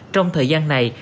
trong thời gian này